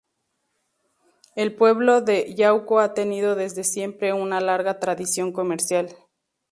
El pueblo de Yauco ha tenido desde siempre, una larga tradición comercial.